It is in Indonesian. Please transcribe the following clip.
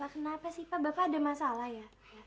kenapa sih pak bapak ada masalah ya